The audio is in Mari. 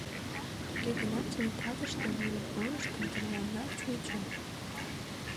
Туге гынат тиде татыште нунын ойышт тептеранла чучо.